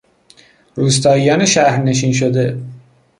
روستاییان شهرنشین شده